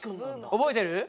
覚えてる？